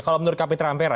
kalau menurut kapitra ampera